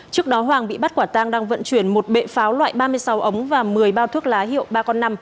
trước đó hoàng bị bắt quả tang đang vận chuyển một bệ pháo loại ba mươi sáu ống và một mươi bao thuốc lá hiệu ba con năm